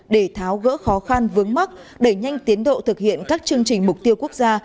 để tháo gỡ khó khăn vướng mắt đẩy nhanh tiến độ thực hiện các chương trình mục tiêu quốc gia